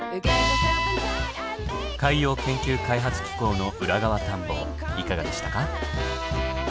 海洋研究開発機構の裏側探訪いかがでしたか？